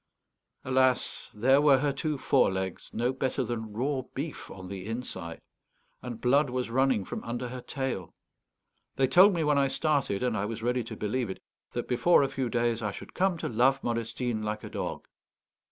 Alas, there were her two forelegs no better than raw beef on the inside, and blood was running from under her tail. They told me when I started, and I was ready to believe it, that before a few days I should come to love Modestine like a dog.